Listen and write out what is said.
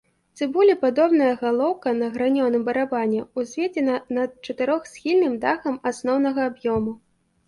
Цыбулепадобная галоўка на гранёным барабане ўзведзена над чатырохсхільным дахам асноўнага аб'ёму.